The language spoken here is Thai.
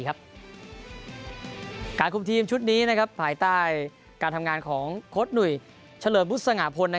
การคุมทีมชุดนี้ภายใต้การทำงานของโค้ดหนุ่ยเฉลิมบุษงาพล